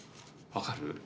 分かる？